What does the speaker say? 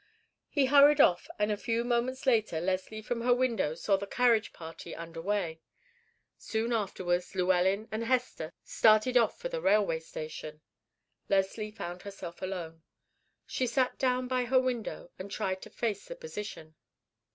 He hurried off, and a few moments later Leslie from her window saw the carriage party get under way. Soon afterwards, Llewellyn and Hester started off for the railway station. Leslie found herself alone. She sat down by her window, and tried to face the position.